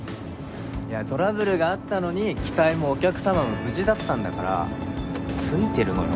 いやトラブルがあったのに機体もお客様も無事だったんだからツイてるのよ